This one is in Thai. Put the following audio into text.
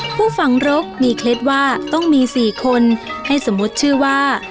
ผู้ฝังรกมีเคล็ดว่าต้องมี๔คนให้สมมุติชื่อว่า